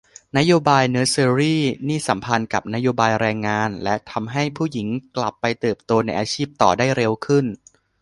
นโยบายเนอสเซอรีนี่สัมพันธ์กับนโยบายแรงงาน และทำให้ผู้หญิงกลับไปเติบโตในอาชีพต่อได้เร็วขึ้น